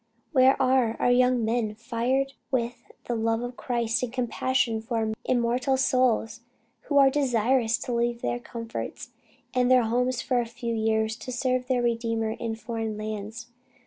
Where are our young men, fired with the love of Christ and compassion for immortal souls, who are desirous to leave their comforts and their homes for a few years, to serve their Redeemer in foreign lands?